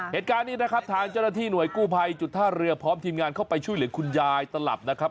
เหตุการณ์นี้นะครับทางเจ้าหน้าที่หน่วยกู้ภัยจุดท่าเรือพร้อมทีมงานเข้าไปช่วยเหลือคุณยายตลับนะครับ